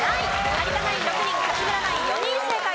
有田ナイン６人勝村ナイン４人正解です。